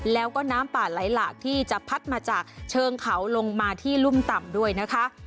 แล้วก็น้ำป่าไหลหลากที่จะพัดมาจากเชิงเขาลงมาที่รุ่มต่ำด้วยนะคะ